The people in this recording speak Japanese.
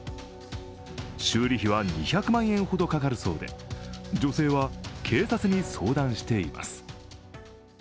修理費は２００万円ほどかかるそうで女性は警察に相談しています。